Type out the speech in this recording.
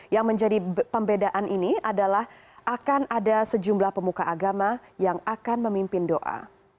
yang menjadi pembedaan ini adalah akan ada sejumlah pemuka agama yang akan memimpin doa